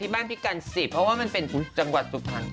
บ้านพี่กันสิเพราะว่ามันเป็นจังหวัดสุพรรณ